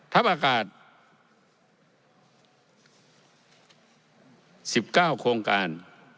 ทัพอากาศสิบเก้าโครงการ